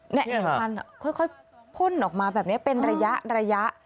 นี่ควันค่อยพ่นออกมาแบบนี้เป็นระยะ